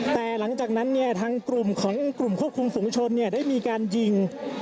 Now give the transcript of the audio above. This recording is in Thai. แต่หลังจากนั้นเนี่ยทางกลุ่มของกลุ่มควบคุมฝุงชนได้มีการยิง